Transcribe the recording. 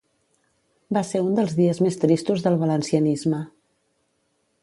Va ser un dels dies més tristos del valencianisme.